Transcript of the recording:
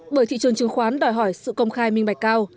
bởi thị trường chứng khoán đòi hỏi sự công khai minh bạch cao